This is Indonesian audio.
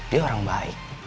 dia orang baik